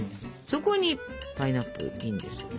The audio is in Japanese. そこにパイナップルインですよ。